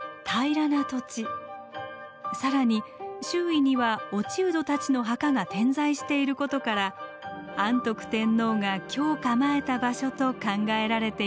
更に周囲には落人たちの墓が点在していることから安徳天皇が居を構えた場所と考えられているそうです。